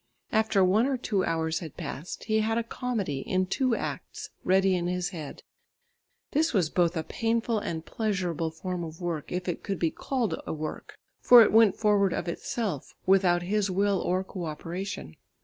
After one or two hours had passed, he had a comedy in two acts ready in his head. This was both a painful and pleasurable form of work if it could be called a work; for it went forward of itself, without his will or co operation.